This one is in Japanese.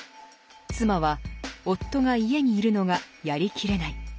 妻は夫が家に居るのがやりきれない。